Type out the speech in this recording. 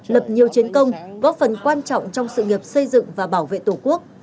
lập nhiều chiến công góp phần quan trọng trong sự nghiệp xây dựng và bảo vệ tổ quốc